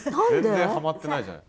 全然はまってないじゃない？